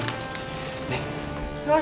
sini tah selamat ketahuan